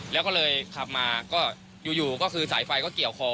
แล้วก็เลยขับมาก็อยู่ก็คือสายไฟก็เกี่ยวคอ